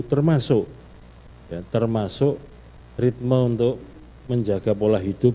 termasuk ritme untuk menjaga pola hidup